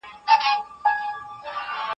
زه به سبا لیکل وکړم.